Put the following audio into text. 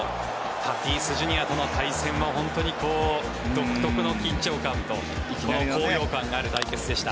タティスＪｒ．との対戦も本当に独特の緊張感と高揚感がある対決でした。